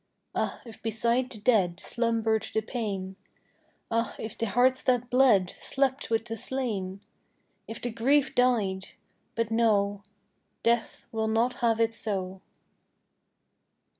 _" Ah, if beside the dead Slumbered the pain! Ah, if the hearts that bled Slept with the slain! If the grief died! But no: Death will not have it so.